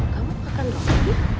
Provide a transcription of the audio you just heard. kamu makan roti